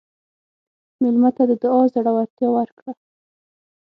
مېلمه ته د دعا زړورتیا ورکړه.